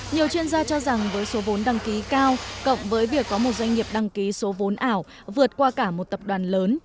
nhiều chuyên gia cho rằng với số vốn đăng ký cao cộng với việc có một doanh nghiệp đăng ký số vốn ảo vượt qua cả một tập đoàn lớn